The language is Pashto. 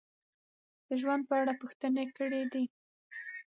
د ژوند په اړه پوښتنې کړې دي: